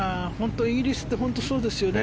イギリスって本当にそうですよね。